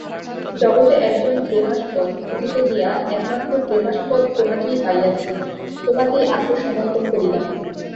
জগতে একজন প্রেমাস্পদ খুঁজিতে গিয়া একমাত্র প্রেমাস্পদ তোমাকেই পাইয়াছি, তোমাতেই আত্মসমর্পণ করিলাম।